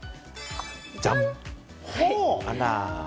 じゃん！